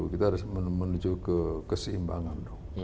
kita harus menuju keseimbangan